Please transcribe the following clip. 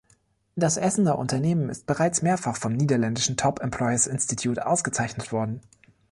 Das Essener Unternehmen ist bereits mehrfach vom niederländischen Top Employers Institute ausgezeichnet worden.